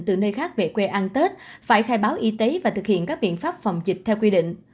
từ nơi khác về quê ăn tết phải khai báo y tế và thực hiện các biện pháp phòng dịch theo quy định